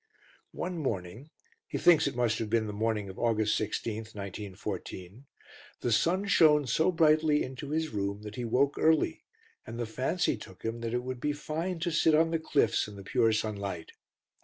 One morning he thinks it must have been the morning of August 16, 1914 the sun shone so brightly into his room that he woke early, and the fancy took him that it would be fine to sit on the cliffs in the pure sunlight.